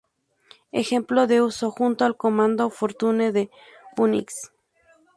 Ejemplo de uso junto al comando fortune de Unix.